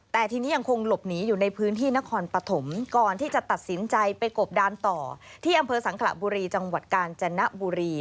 แต่ทีนี้ยังคงหลบหนีอยู่ในพื้นที่นครปฐมก่อนที่จะตัดสินใจไปกบดานต่อที่อำเภอสังขระบุรีจังหวัดกาญจนบุรี